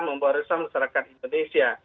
membawa resah masyarakat indonesia